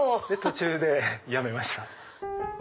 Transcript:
で途中でやめました。